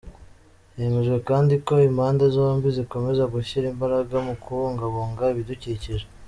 Hemejwe kandi ko impande zombi zikomeza gushyira imbaraga mu kubungabunga ibidukikije.